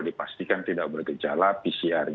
dipastikan tidak bergejala pcr